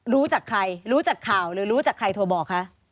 รู้จากใครรู้จากข่าวหรือรู้จากใครโทรบอกคะ